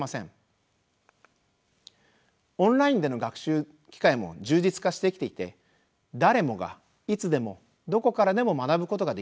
オンラインでの学習機会も充実化してきていて誰もがいつでもどこからでも学ぶことができます。